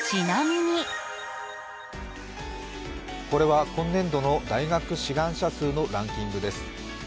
これは、今年度の大学志願者数のランキングです。